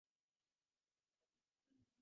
কিন্তু ইহা তো প্রকৃত ধর্ম নহে।